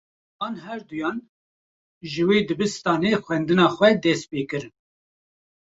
Wan her duyan, ji wê dibistanê xwendina xwe dest pê kirin